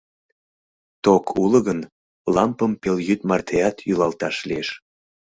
Ток уло гын, лампым пелйӱд мартеат йӱлалташ лиеш.